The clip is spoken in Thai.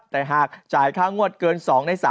แต่หากจ่ายค่างวดเกิน๒ใน๓